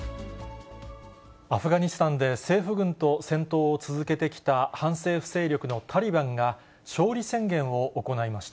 アフガニスタンで政府軍と戦闘を続けてきた反政府勢力のタリバンが勝利宣言を行いました。